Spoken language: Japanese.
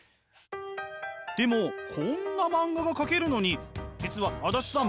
でもこんな漫画が描けるのに実は足立さん